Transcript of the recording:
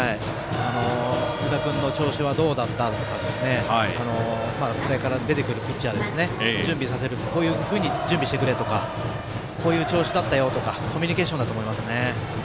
湯田君の調子はどうだとかこれから出てくるピッチャーにこういうふうに準備してくれとかコミュニケーションだと思います。